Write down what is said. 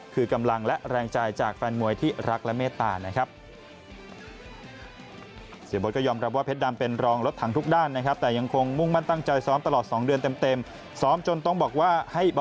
เพชรดำบาลบาวหน่อยนะครับ